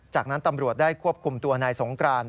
จากนั้นตำรวจได้ควบคุมตัวนายสงกราน